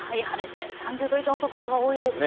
３０度以上の所が多いですね。